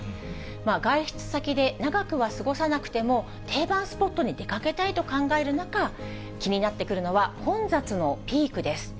外出先で長くは過ごさなくても、定番スポットに出かけたいと考える中、気になってくるのは混雑のピークです。